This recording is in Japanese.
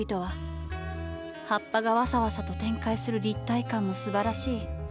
葉っぱがワサワサと展開する立体感もすばらしい。